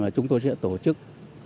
chúng tôi sẽ tổ chức